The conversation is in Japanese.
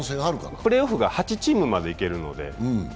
プレーオフが地区で８チームまで行けるので。